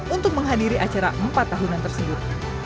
untuk menghadiri acara empat tahunan tersebut